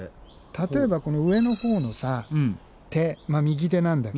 例えばこの上のほうのさ手右手なんだけど。